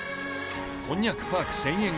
こんにゃくパーク１０００円